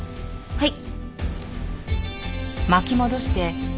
はい。